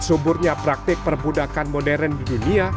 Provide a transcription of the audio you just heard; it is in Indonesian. suburnya praktik perbudakan modern di dunia